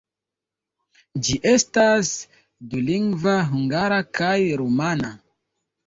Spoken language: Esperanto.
Ĝi estas dulingva: hungara kaj rumana.